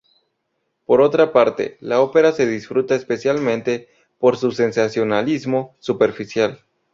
Por otra parte, la ópera se disfruta especialmente por su sensacionalismo superficial.